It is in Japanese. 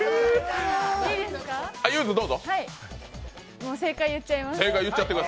もう正解言っちゃいます。